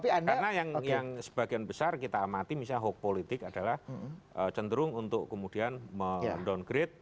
karena yang sebagian besar kita amati misalnya hoax politik adalah cenderung untuk kemudian mendowngrade